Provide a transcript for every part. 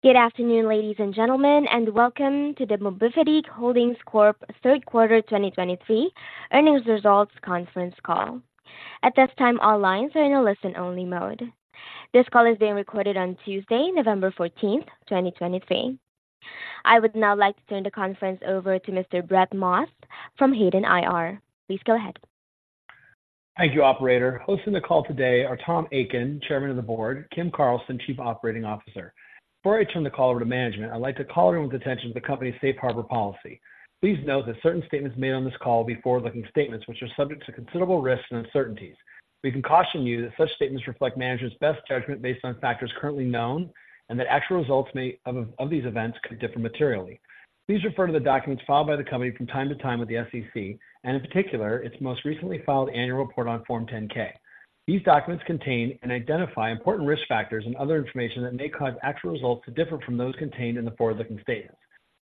Good afternoon, ladies and gentlemen, and welcome to the Mobivity Holdings Corp third quarter 2023 earnings results conference call. At this time, all lines are in a listen-only mode. This call is being recorded on Tuesday, November 14, 2023. I would now like to turn the conference over to Mr. Brett Maas from Hayden IR. Please go ahead. Thank you, operator. Hosting the call today are Tom Akin, Chairman of the Board, Kim Carlson, Chief Operating Officer. Before I turn the call over to management, I'd like to call everyone's attention to the Company's Safe Harbor policy. Please note that certain statements made on this call will be forward-looking statements, which are subject to considerable risks and uncertainties. We caution you that such statements reflect management's best judgment based on factors currently known, and that actual results may differ materially from the outcome of these events. Please refer to the documents filed by the company from time to time with the SEC, and in particular, its most recently filed annual report on Form 10-K. These documents contain and identify important risk factors and other information that may cause actual results to differ from those contained in the forward-looking statements.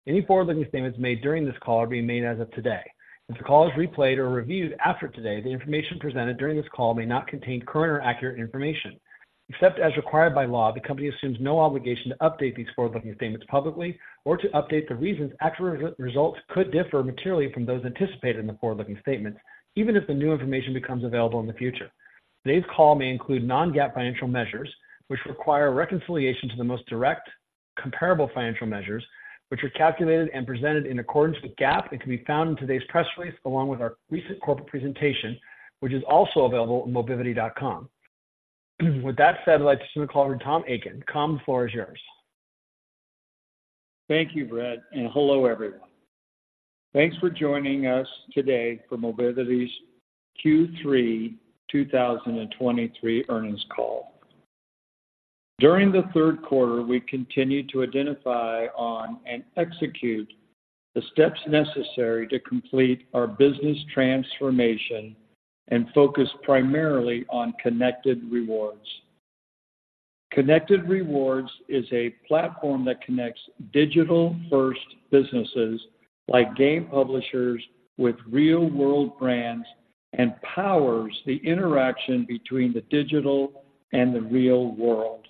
Any forward-looking statements made during this call are being made as of today. If the call is replayed or reviewed after today, the information presented during this call may not contain current or accurate information. Except as required by law, the company assumes no obligation to update these forward-looking statements publicly or to update the reasons actual results could differ materially from those anticipated in the forward-looking statements, even if the new information becomes available in the future. Today's call may include non-GAAP financial measures, which require reconciliation to the most direct, comparable financial measures, which are calculated and presented in accordance with GAAP and can be found in today's press release, along with our recent corporate presentation, which is also available on mobivity.com. With that said, I'd like to turn the call over to Tom Akin. Tom, the floor is yours. Thank you, Brett, and hello, everyone. Thanks for joining us today for Mobivity's Q3 2023 earnings call. During the third quarter, we continued to identify on and execute the steps necessary to complete our business transformation and focus primarily on Connected Rewards. Connected Rewards is a platform that connects digital-first businesses, like game publishers, with real-world brands and powers the interaction between the digital and the real world.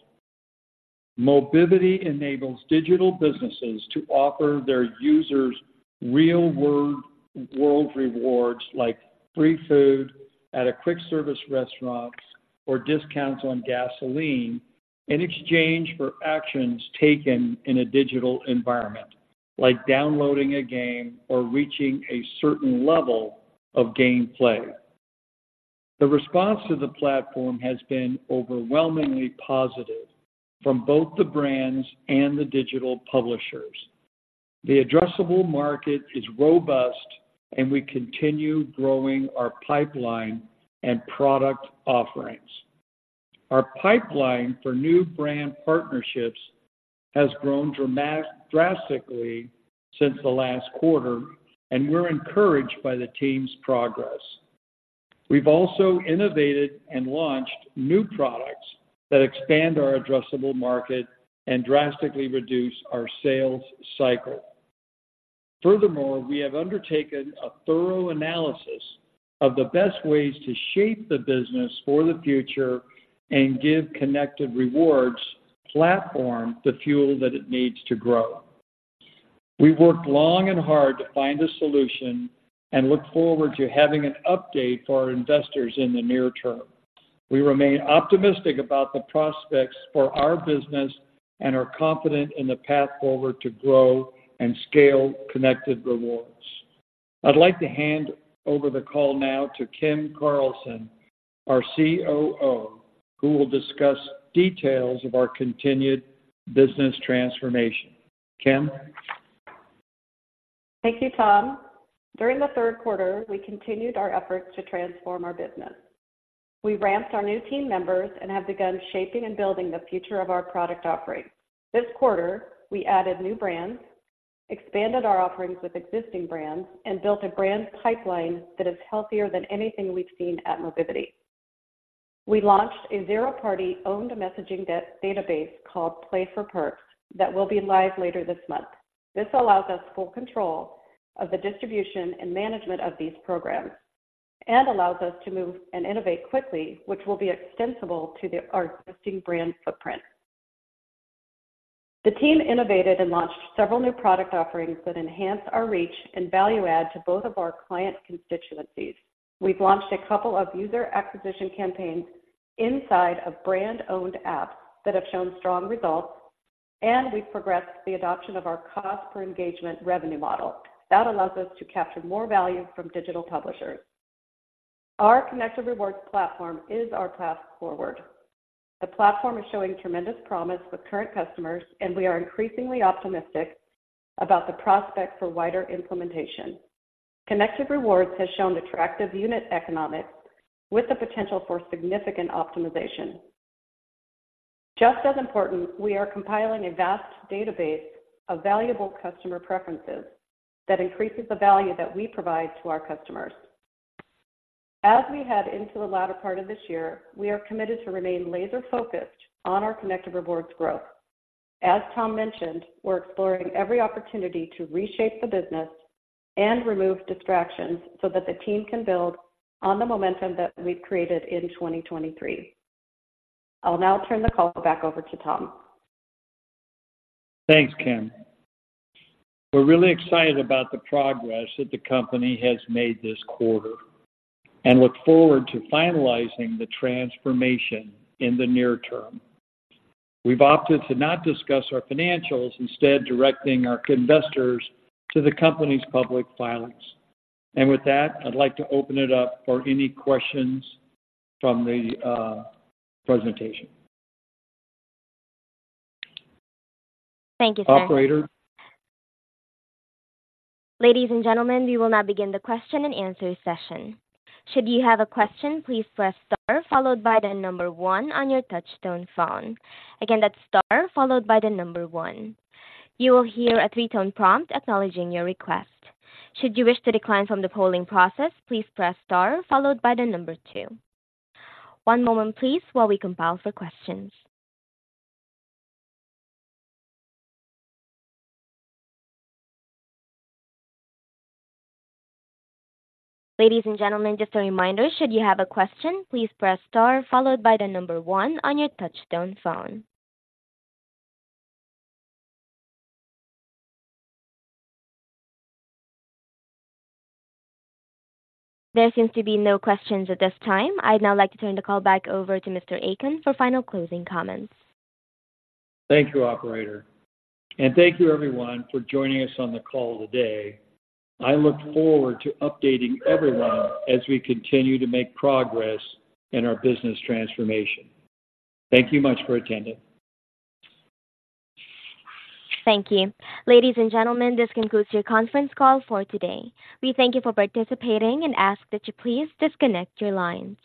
Mobivity enables digital businesses to offer their users real-world, world rewards, like free food at a quick-service restaurant or discounts on gasoline, in exchange for actions taken in a digital environment, like downloading a game or reaching a certain level of gameplay. The response to the platform has been overwhelmingly positive from both the brands and the digital publishers. The addressable market is robust, and we continue growing our pipeline and product offerings. Our pipeline for new brand partnerships has grown drastically since the last quarter, and we're encouraged by the team's progress. We've also innovated and launched new products that expand our addressable market and drastically reduce our sales cycle. Furthermore, we have undertaken a thorough analysis of the best ways to shape the business for the future and give Connected Rewards platform the fuel that it needs to grow. We've worked long and hard to find a solution and look forward to having an update for our investors in the near term. We remain optimistic about the prospects for our business and are confident in the path forward to grow and scale Connected Rewards. I'd like to hand over the call now to Kim Carlson, our COO, who will discuss details of our continued business transformation. Kim? Thank you, Tom. During the third quarter, we continued our efforts to transform our business. We ramped our new team members and have begun shaping and building the future of our product offerings. This quarter, we added new brands, expanded our offerings with existing brands, and built a brands pipeline that is healthier than anything we've seen at Mobivity. We launched a zero-party owned messaging database called Play for Perks that will be live later this month. This allows us full control of the distribution and management of these programs and allows us to move and innovate quickly, which will be extensible to the, our existing brand footprint. The team innovated and launched several new product offerings that enhance our reach and value add to both of our client constituencies. We've launched a couple of user acquisition campaigns inside of brand-owned apps that have shown strong results, and we've progressed the adoption of our cost-per-engagement revenue model. That allows us to capture more value from digital publishers. Our Connected Rewards platform is our path forward. The platform is showing tremendous promise with current customers, and we are increasingly optimistic about the prospect for wider implementation. Connected Rewards has shown attractive unit economics with the potential for significant optimization. Just as important, we are compiling a vast database of valuable customer preferences that increases the value that we provide to our customers. As we head into the latter part of this year, we are committed to remain laser-focused on our Connected Rewards growth. As Tom mentioned, we're exploring every opportunity to reshape the business... Remove distractions so that the team can build on the momentum that we've created in 2023. I'll now turn the call back over to Tom. Thanks, Kim. We're really excited about the progress that the company has made this quarter and look forward to finalizing the transformation in the near term. We've opted to not discuss our financials, instead directing our investors to the company's public filings. With that, I'd like to open it up for any questions from the presentation. Thank you, sir. Operator? Ladies and gentlemen, we will now begin the question and answer session. Should you have a question, please press star followed by the number one on your touch-tone phone. Again, that's star followed by the number one. You will hear a three-tone prompt acknowledging your request. Should you wish to decline from the polling process, please press star followed by the number two. One moment please while we compile for questions. Ladies and gentlemen, just a reminder, should you have a question, please press star followed by the number one on your touch-tone phone. There seems to be no questions at this time. I'd now like to turn the call back over to Mr. Akin for final closing comments. Thank you, operator, and thank you everyone for joining us on the call today. I look forward to updating everyone as we continue to make progress in our business transformation. Thank you much for attending. Thank you. Ladies and gentlemen, this concludes your conference call for today. We thank you for participating and ask that you please disconnect your lines.